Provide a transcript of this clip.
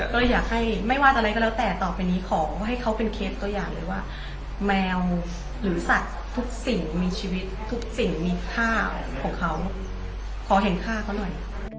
ก็อยากให้ไม่ว่าอะไรก็แล้วแต่ต่อไปนี้ขอให้เขาเป็นเคสตัวอย่างเลยว่าแมวหรือสัตว์ทุกสิ่งมีชีวิตทุกสิ่งมีค่าของเขาขอเห็นค่าเขาหน่อย